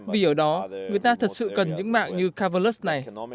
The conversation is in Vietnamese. vì ở đó người ta thật sự cần những mạng như kavalan